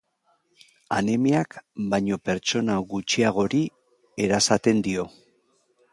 Anemiak baino pertsona gutxiagori erasaten dio.